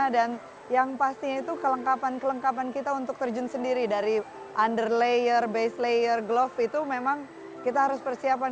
dan yang pastinya itu kelengkapan kelengkapan kita untuk terjun sendiri dari under layer base layer glove itu memang kita harus persiapan